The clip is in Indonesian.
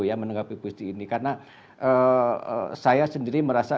karena saya sendiri merasa